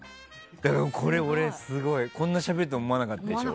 だから、これ俺すごいこんなにしゃべると思わなかったでしょ。